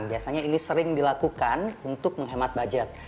biasanya ini sering dilakukan untuk menghemat budget